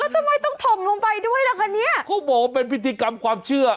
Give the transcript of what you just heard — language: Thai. ทำไมต้องถมลงไปด้วยล่ะคะเนี่ยเขาบอกว่าเป็นพิธีกรรมความเชื่อ